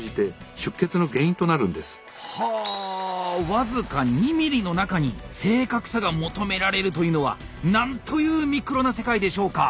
僅か２ｍｍの中に正確さが求められるというのはなんというミクロな世界でしょうか！